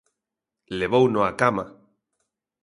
Levouno á cama.